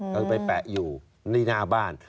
เขาจะไปแปะอยู่ในหน้าบ้าน